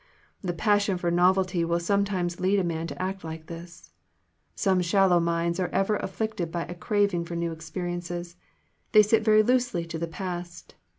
The passion for novelty will sometimes lead a man to act like this. Some shallow minds are ever afflicted by a craving for new experiences. They sit very loosely to the past.